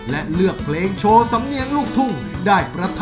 มันตอนไปเดียนละซีนหนึ่ง